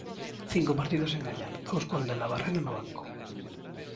Cinco partidos sen gañar, dous con De la Barrera no banco.